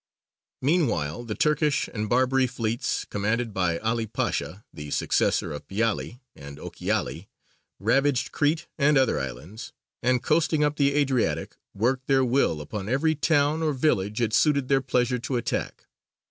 Meanwhile, the Turkish and Barbary fleets, commanded by 'Ali Pasha, the successor of Piāli, and Ochiali, ravaged Crete and other islands, and coasting up the Adriatic, worked their will upon every town or village it suited their pleasure to attack.